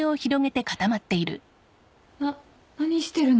あっ何してるの？